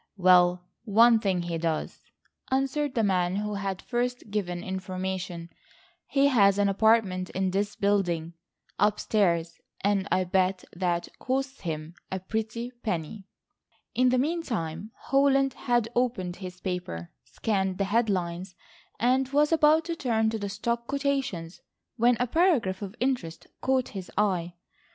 "Well, one thing he does," answered the man who had first given information, "he has an apartment in this building, up stairs, and I bet that costs him a pretty penny." In the meantime Holland had opened his paper, scanned the head lines, and was about to turn to the stock quotations when a paragraph of interest caught his eye.